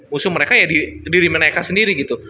musuh mereka ya di diri mereka sendiri gitu